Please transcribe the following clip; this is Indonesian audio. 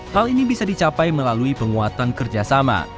hal ini bisa dicapai melalui penguatan kerjasama